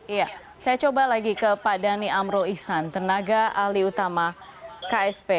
iya saya coba lagi ke pak dhani amrul ihsan tenaga ahli utama ksp